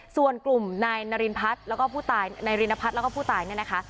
ส่วนกลุ่มนายนารินพัฒน์แล้วก็ผู้ตายนายรินพัฒน์แล้วก็ผู้ตายเนี่ยนะคะ